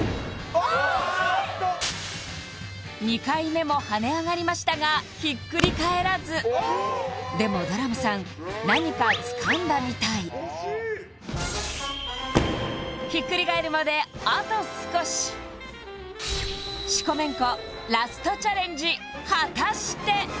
・ああーっと２回目も跳ね上がりましたがひっくり返らずでもドラムさん何かつかんだみたいひっくり返るまであと少し四股めんこラストチャレンジ果たして？